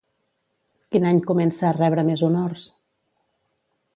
Quin any comença a rebre més honors?